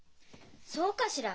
そうかしら？